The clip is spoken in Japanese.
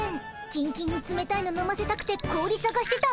キンキンにつめたいの飲ませたくて氷さがしてた。